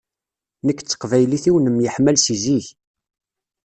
Nekk d teqbaylit-iw nemyeḥmmal seg zik.